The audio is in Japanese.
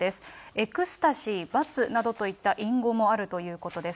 エクスタシー、バツなどといった隠語もあるということです。